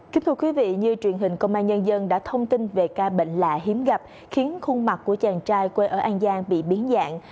kính thưa quý vị như truyền hình công an nhân dân đã thông tin về ca bệnh lạ hiếm gặp khiến khuôn mặt của chàng trai quê ở an giang bị biến dạng